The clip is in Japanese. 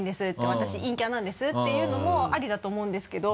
「私陰キャなんです」っていうのもありだと思うんですけど。